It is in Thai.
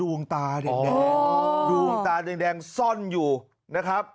ดวงตาแดงดวงตาแดงซ่อนอยู่นะครับ